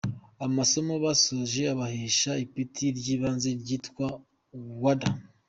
Amasomo basoje abahesha ipeti ry’ibanze ryitwa ‘Warder’.